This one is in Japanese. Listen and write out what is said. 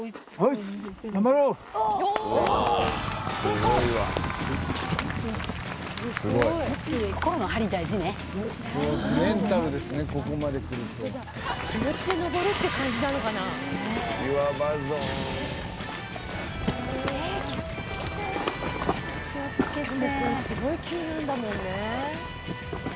しかもすごい急なんだもんね。